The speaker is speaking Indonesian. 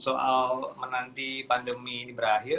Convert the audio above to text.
soal menanti pandemi ini berakhir